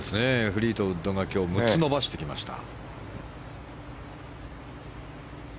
フリートウッドが今日６つ伸ばしてきました。